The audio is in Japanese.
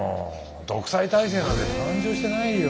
独裁体制なんて誕生してないよ。